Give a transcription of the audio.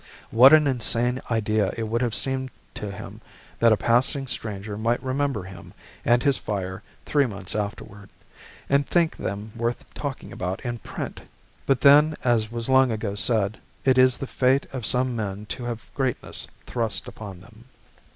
What an insane idea it would have seemed to him that a passing stranger might remember him and his fire three months afterward, and think them worth talking about in print! But then, as was long ago said, it is the fate of some men to have greatness thrust upon them.